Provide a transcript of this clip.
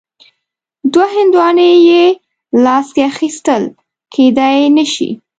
دوه هندواڼې یو لاس کې اخیستل کیدای نه شي.